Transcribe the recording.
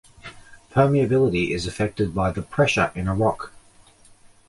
Permeability is affected by the pressure in a rock.